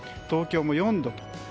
東京も４度。